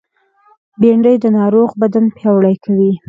بېنډۍ د ناروغ بدن پیاوړی کوي